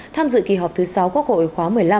tham dự kỳ họp thứ sáu quốc hội khóa một mươi năm